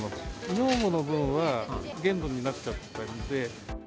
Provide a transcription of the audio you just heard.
女房の分は限度になっちゃったんで。